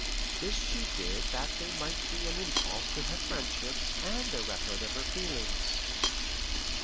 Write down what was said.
This she did that they might be an impulse to her friendships and a record of her feelings.